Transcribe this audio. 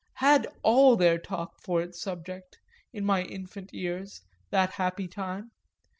Had all their talk for its subject, in my infant ears, that happy time?